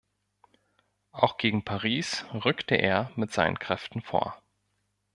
Auch gegen Paris rückte er mit seinen Kräften vor.